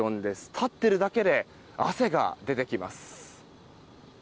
立っているだけで汗が出てきます。